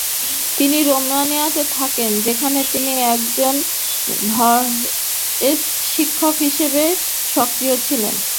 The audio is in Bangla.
তিনি রোমানিয়াতে থাকতেন যেখানে তিনি একজন ভয়েস শিক্ষক হিসেবে সক্রিয় ছিলেন।